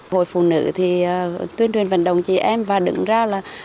hội phụ nữ thì tuyên truyền vận động chị em và đứng ra là